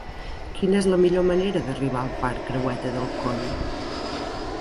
Quina és la millor manera d'arribar al parc Creueta del Coll?